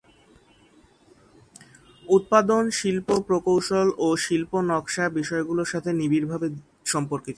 উৎপাদন শিল্প প্রকৌশল ও শিল্প নকশা বিষয়গুলোর সাথে নিবিড়ভাবে সম্পর্কিত।